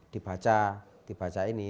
dibaca dibaca ini